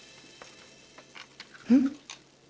うん？